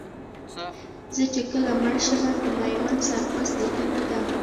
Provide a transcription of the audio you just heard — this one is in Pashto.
زه چې کله مړ شمه د میوند سرباز لیکنه ده